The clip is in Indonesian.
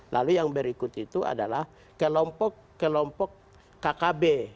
lalu yang berikut itu adalah kelompok kelompok kkb